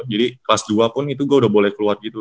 jadi kelas dua pun itu gue udah boleh keluar gitu